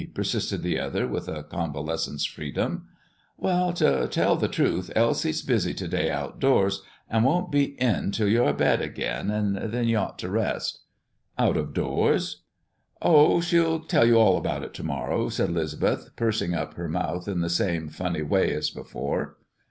persisted the other, with a convalescent's freedom. "Well, to tell the truth, Elsie's busy to day outdoors, and won't be in till you're abed again; and then you ought to rest." "Out of doors?" "Oh, she'll tell you all about it to morrow," said 'Lisbeth, pursing up her mouth in the same funny way as before.